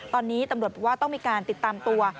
ตอนนี้ตำรวจบอกว่าต้องมีการติดตามตัว